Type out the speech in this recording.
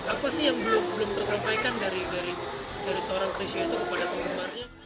apa sih yang belum tersampaikan dari seorang krisha itu kepada penggemarnya